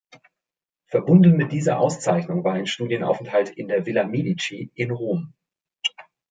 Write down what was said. Verbunden mit dieser Auszeichnung war ein Studienaufenthalt in der Villa Medici in Rom.